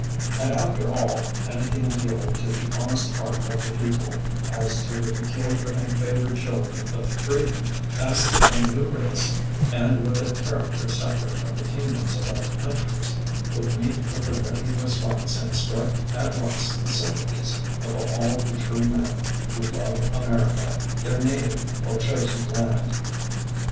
And after all, anything ap pealing to the honest heart of the people, as to the peculiar and favored children of freedom, as to a new race and with a character separate from the kingdoms of other countries, would meet with a ready response and strike at once the sympathies of all the true men who love America, their native or chosen land.